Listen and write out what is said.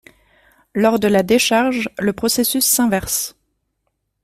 Lors de la décharge le processus s'inverse.